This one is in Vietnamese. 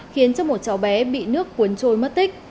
khiến cho một cháu bé bị nước cuốn trôi mất tích